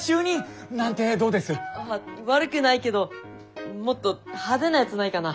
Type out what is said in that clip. あっ悪くないけどもっと派手なやつないかな？